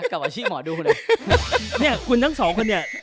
คุณทั้งสองคนเนี่ย